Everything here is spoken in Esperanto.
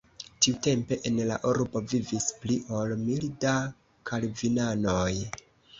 Tiutempe en la urbo vivis pli ol mil da kalvinanoj.